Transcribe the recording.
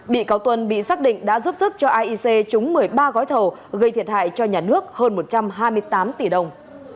bị cáo tuân bị xác định đã giúp sức cho iec trúng một mươi ba gói thầu gây thiệt hại cho nhà nước hơn một trăm hai mươi tám tỷ đồng